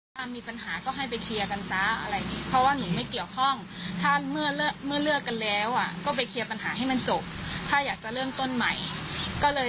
อยากจะได้รูปเราอยากจะได้เงินคืนจากเราอยากจะได้เงินคืนจริงหรอ